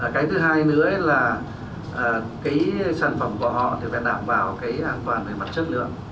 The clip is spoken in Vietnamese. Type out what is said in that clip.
cái thứ hai nữa là cái sản phẩm của họ thì phải đảm bảo cái an toàn về mặt chất lượng